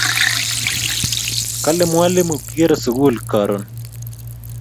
Kale mwalimu kikere sukul karun